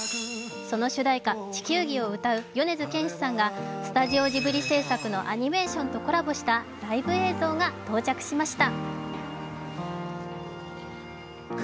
その主題歌「地球儀」を歌う米津玄師さんがスタジオジブリ制作のアニメーションとコラボしたライブ映像が到着しました。